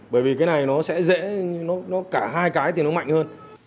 bởi vì cái này nó sẽ dễ nó cả hai cái thì nó mạnh hơn